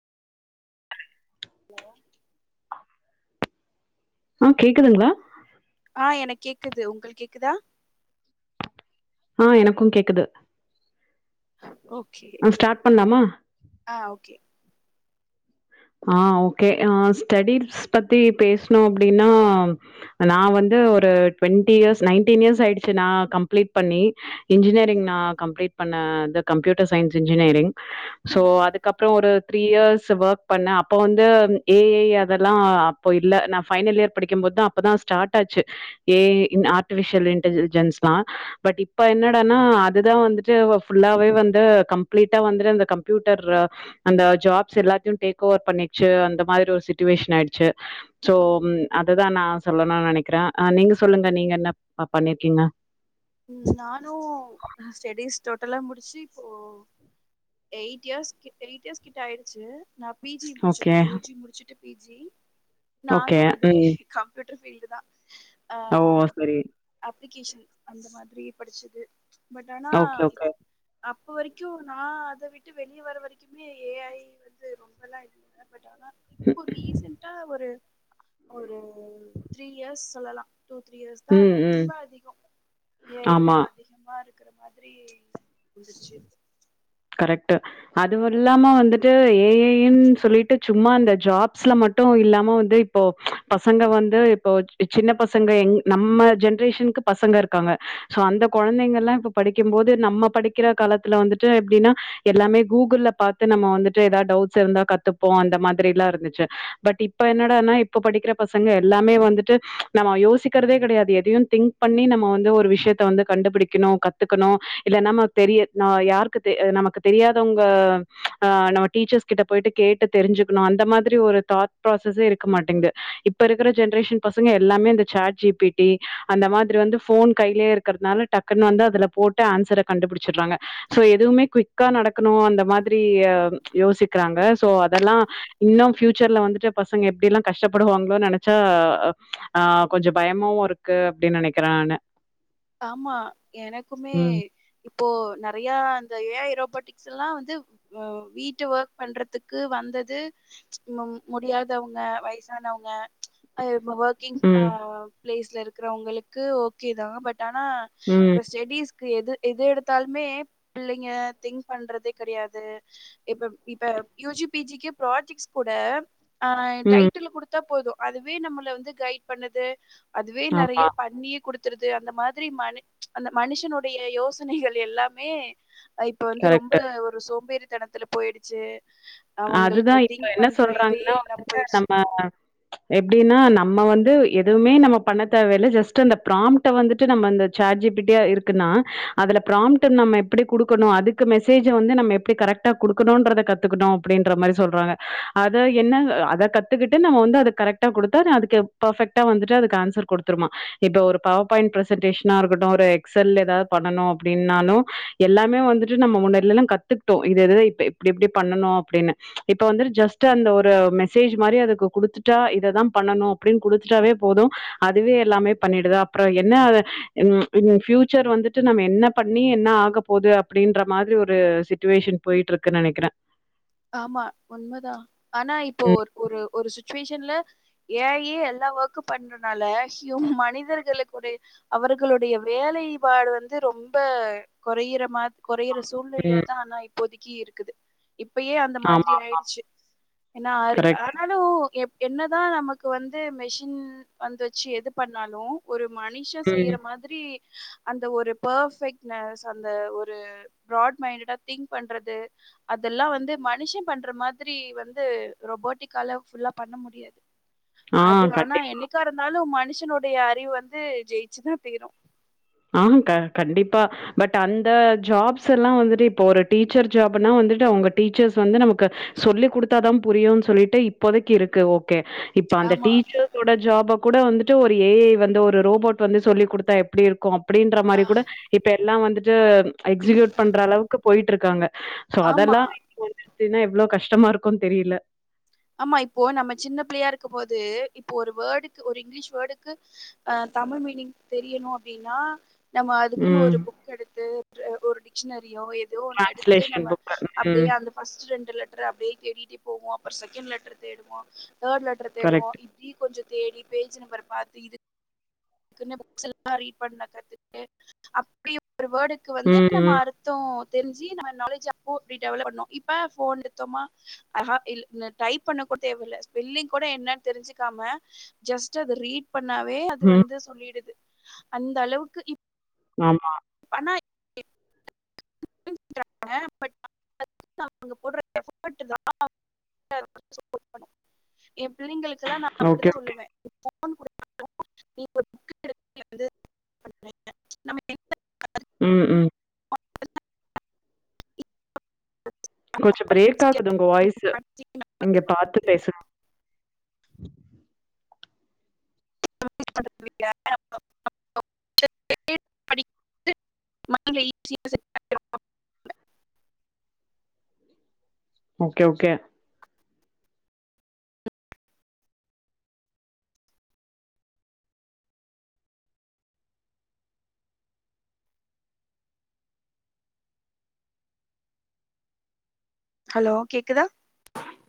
Hello ஆ கேக்குதுங்ளா ஆ எனக் கேக்குது ஒங்ளுக் கேக்குதா ஆ எனக்கும் கேக்குது ஓகே ஆ ஸ்டார்ட் பண்ணலாமா ஆ ஓகே ஆ ஓகே ஆ ஸ்டடிஸ் பத்தி பேசுனு அப்டின்னா நா வந்து ஒரு டுவெண்ட்டி இயர்ஸ் நைன்டீன் இயர்ஸ் ஆயிடுச்சு நா கம்ப்ளீட் பண்ணி இன்ஜினியரிங் நா கம்ப்ளீட் பண்ணது கம்ப்யூட்டர் சயின்ஸ் இன்ஜினியரிங் சோ ம் அதுக்கப்புறம் ஒரு த்ரீ இயர்ஸ் வொக் பண்ணேன் அப்போ வந்து எ ஐ அதெல்லாம் அப்போ இல்ல நா ஃபைனல் இயர் படிக்கும்போது அப்போதா ஸ்டார்ட் ஆச்சு ஏ இன் ஆர்டிபிஷியல் இன்டலிஜென்ஸ்லா பட் இப்ப என்னடானா அதுதான் வந்துட்டு ஃபுல்லாவே வந்து கம்ப்ளீட்டா வந்துட்டு அந்த கம்ப்யூட்டர்ர அந்த ஜாப்ஸ் எல்லாத்தையும் டேக் ஓவர் பண்ணிச்சு அந்த மாரி ஒரு சிட்டுவேஷன் ஆயிடுச்சு சோ அததுதான் நா சொல்லணும்னு நனைக்கிறேன் ஆ நீங்க சொல்லுங்க நீங்க என்ன பண்ணிருக்கீங்க ம் நானும் ஸ்டடிஸ் டோட்டலா முடிச்சு இப்போ எயிட் இயர்ஸ் கிட்ட எயிட் இயர்ஸ் கிட்ட ஆயிச்சு நா பி ஜி ஓகே, முடிச்சிருக்கேன் யூ ஜி முடிச்சுட்டு பி ஜி ஓகே. நானும் அதே ம். கம் யூட்டர் ஃபீல்டு தான் ஓ சரி அப்ளிகேஷன் அந்த மாதிரி படிச்சது பட் ஆனா ஓகே, ஓகே. அப்போ வரைக்கும் நா அத விட்டு வெளியே வர வரைக்குமே ஏ ஐ வந்து ரொம்பல்லா இல்ல பட் ஆனா ரீசன்டா ஒரு ஒரு த்ரீ இயர்ஸ் சொல்லலாம் டூ த்ரீ இயர்ஸ் தான் ம், ம். ரொம்ப அதிகொ ஏ ஐ இதா ஆமா. அதிகமா இருக்கிற மாதிரி வந்துச்சு கரெக்ட்டு அதுவு இல்லாம வந்துட்டு ஏஐ யுன் சொல்லிட்டு சும்மா அந்த ஜாப்ஸ்ல மட்டு இல்லாம வந்து இப்போ பசங்க வந்து இப்போ சின்ன பசங்க எங் நம்ம ஜென்ரேஷனுக்கு பசங்க இருக்காங்க சோ அந்த கொழந்தைங்கள்லா இப்ப படிக்கம் போது நம்ம படிக்கிற காலத்துல வந்துட்டு எப்டினா எல்லாமே கூகுள்ல பாத்து நம்ம வந்துட்டு ஏதாது டவுட்ஸ் இருந்தா கத்துப்போ அந்த மாதிரிலா இருந்துச்சு பட் இப் இப்ப என்னடான்னா இப்ப படிக்கிற பசங்க எல்லாமே வந்துட்டு நம்ம யோசிக்கிறதே கெடையாது எதையு திங்க் பண்ணி நம்ம வந்து ஒரு விஷயத்த வந்து கண்டுபிடிக்கணு கத்துக்கணு இல்ல நம்ம தெரிய நா யார் நமக்கு தெரியாதவுங்க ஆ நம்ம டீச்சர்ஸ் கிட்ட போயிட்டு கேட்டு தெருஞ்சுக்ணு அந்த மாதிரி ஒரு தாட் ப்ராசஸே இருக்க மாட்டேங்து இப்ப இருக்குற ஜென்ரேஷன் பசங்க எல்லாமே இந்த சாட் ஜிபிடி அந்த மாதிரி வந்து ஃபோன் கையிலே இருக்றதுனால டக்குன்னு வந்து அதுல போட்டு ஆன்சர கண்டுபுடுச்சுட்றாங்க சோ எதுவுமே குயிக்கா நடக்கணு அந்த மாதிரி அ யோசிக்கிறாங்க சோ அதெல்லா இன்னொ ஃபியூச்சர்ல வந்துட்டு பசங்க எப்டி எல்லா கஷ்டப்படுவாங்களோ நெனைச்சா ஆ கொஞ்சொ பயமு இருக்கு க்கு அப்டி நெனக்கிறான்னு ஆமா எனக்குமே இப்போ நெறையா அந்த ஏஐ ரோபோட்டிக்ஸ்ல்லா வந்து அ வீட்டு ஒர்க் பண்றதுக்கு வந்தது மம் முடியாதவுங்க வயசானவுங்க [unintelligible] ஒர்கிங் ஆ ம் பிளேஸ்ல இருக்குறவுங்களுக்கு ஓகே தா பட் ஆனா ம் ஸ்டெடிஸ் க்கு எது எது எடுத்தாலுமே பிள்ளெங்கெ திங்க் பண்றதே கெடையாது இப்ப இப்ப யூஜி பிஜிக்கு ப்ராஜெக்ட்ஸ் கூட ஆ ம் டைட்டில் குடுத்தா போது அதுவே நம்மள வந்து கைட் பண்ணுது அதுவே ஆமா நெறையா பண்ணியு குடுத்துருது அந்த மா திரி மனு அந்த மனுஷனுடைய யோசனைகள் எல்லாமே அ இப்ப வந்து ரொம்ப கரெக்ட்டு. ஒரு சோம்பேறி தனத்துல போயிடுச்சு அதுதா அவங்களுக்கு இப்ப திங்க் என்ன பண்ற இதையே சொல்றாங்கன்னா இல்லாம வந்துட்டு போயிடுச்சு நம்ம எப்டின்னா நம்ம வந்து எதுவுமே நம்ம பண்ண தேவெல்ல ஜஸ்ட் அந்த ப்ரா ம்ட்ட வந்துட்டு நம்ம அந்த சேட் ஜிபிட்டியா இருக்குனா அதுல பிராம்ட்ட நம்ம எப்புடி குடுக்கனு அதுக் க்கு மெசேஜ வந்து நம்ம எப்டி கரெக்டா குடுக்கணுன்றத கத்துக்குணோ அப்டின்ற மாரி சொல்றாங்க அத என்ன அத க த்துக்கிட்டு நம்ம வந்து அது கரெக்டா குடுத்தாதா அதுக்கு பர்ஃபெக்ட்டா வந்துட்டு அதுக்கு ஆன்சர் கொடுத்துருமா இப்ப ஒரு பவர் பாயிண்ட் ப்ரெசன்டேஷனா இருக்கட்டு ஒரு எக்ஸ் எல் ஏதாத் பண்ணனு அப்டின்னாலு எல்லாமே வந்துட்டு நம்ம முன்னாடிலல்லா கத்துக்கிட்டோ இது இதத இப்ப எப்டி எப்டி பண்ணனு அப்டின்னு இப்ப வந்து ஜஸ்ட்டு அந்த ஒரு மெசேஜ் மாரி அதுக்கு குடுத்துட்டா இத தா பண்ணனு அப்டின் குடுத்துட்டாவே போது அதுவே எல்லாமே பண்ணிடுதா அப்றொ என்ன ம் ம் ஃப்யூச்சர் வந்துட்டு நம்ம என்ன பண்ணி என்ன ஆக போது அப்டின்ற மாதிரி ஒரு சிட்டுவேஷன் போயிட்டு இருக்குன் நெனக்கிறே ஆமா உண்மதா ஆனா இப்போ ம் ஒரு ஒரு ஒரு சுச்சுவேஷன்ல ஏ ஐ யே எல்லா ஓர்க்கு பண்றனால ஹியூ மனிதர்களுக்குடைய அவர்களுடைய வேலைப்பாடு வந்து ரொம்ப கொறையிறமா கொறையிற சூழ்நிலைய்ல ம் தா ஆனா இப்போதிக்கி இருக்குது இப்பயே அந்த மாதிரி ஆமா ஆயிடுச்சு என்னா கரெக்ட். [unintelligible] ஆலுஉ எப் என்னதா நமக்கு வந்து மெஷின் வந்து வச்சு எது பண்ணாலு ஒரு மனுஷெ ம் செய்யுற மாதிரி அந்த ஒரு பர்ஃபெக்ட்னஸ் அந்த ஒரு ப்ராட் மைண்டடா திங்க் பண்றது அதெல்லா வந் மனுஷெ பண்ற மாதிரி வந்து ரொபோட்டிக்கால ஃபுல்லா பண்ண முடியாது ஆ அது ஆனா கண்டிப்பா. என்னைக்கா இருந்தாலு மனுஷனுடைய அறிவு வந்து ஜெயிச்சுதா தீரு ஆ க கண்டிப்பா பட் அந்த ஜாப்ஸ் எல்லா வந்துட்டு இப்போ ஒரு டீச்சர் ஜாப்னா வந்துட்டு அவங்க டீச்சர்ஸ் வந்து நமக்கு சொல்லி் குடுத்தாதா புரியு சொல்லிட்டு இப்போதைக்கு இருக்கு ஓகே இப்ப அந்த ஆமா டீச்சர்ஸோட ஜாப கூட வந்துட்டு ஒரு ஏ ஐ வந்து ஒரு ரோபோட் வந்து சொல்லி் குடுத்தா எப்டி இருக் கு அப்டின்ற மாரி கூட இப்ப எல்லா வந்துட்டு எக்ஸிகியூட் பண்ற அளவுக்கு போயிட்டுருக்காங்க சோ ஆமா அதெல்லா [unintelligible] எவ்ளோ கஷ்டமா இருக்குன் தெரில ஆமா இப்போ நம்ம சின்ன பிள்ளையா இருக்கம் போது இப்போ ஒரு வேர்டுக்கு ஒரு இங்கிலிஷ் வேடுக்கு அ தமிழ் மீனிங் தெரியணு அப்டின்னா நம்ம அதுக்குன்னு ம். ஒரு புக் எடுத்து ஒரு ட்ஷனரியோ ஏதோ ஒண்ணு எடுத்து டிரான்ஸ்லேஷன் நம்ம புக். அப்டியே ம். அந்த ஃபஸ்ட் ரெண்டு லெட்டர அப்டியே தேடிட்டே போவோ அப்ரோ செகண்ட் லெட்டர தேடுவோ தேர்ட் லெட்டர தேடுவோ கரெக்ட். டி கொஞ்ச தேடி பேஜ் நம்பர் பாத்து இது க்குனே புக்ஸ் எல்லா ரீட் பண்ண கத்துகிட்டு அப்டி ஒரு வேடுக்கு வந்து ம், நம்ம ம், அர் த்தோ தெரிஞ்சி நம்ம நாலேஜ் அப்போ அப்டி டெவலப் பண்ணோ இப்ப போன் எத்தோம்மா அ ஹ இல் டைப் பண்ண கூட தேவையில்ல ஸ்பெல்லிங் கூட என்னன் தெரிஞ்சுக்காம ஜஸ்ட் அது ரீட் பண்ணாவே அது ம். வந்து சொல்லிடுது அந்த அளவுக்கு ஆமா இப்ப ஆனா [unintelligible] ஆ பட் [unintelligible] அவங்க போட்ற ஃபோர்ட்டு தா [unintelligible] எ பிள்ளைகளுக்குல்ல நா ஓகே, அப்டித்தா ஓகே. சொல்லுவே [inaudible] ம் ம் கொஞ்ச பிரேக் படிச்சு ஆகுது உங்க வாய்ஸ்சு படிச்சு இங்க பாத்து பேசு [inaudible] [inaudible] ஓகே ஓகே ஹலோ கேக்குதா